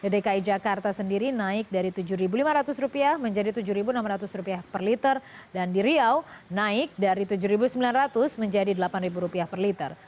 dki jakarta sendiri naik dari tujuh lima ratus rupiah menjadi tujuh enam ratus rupiah per liter dan di riau naik dari tujuh sembilan ratus menjadi delapan rupiah per liter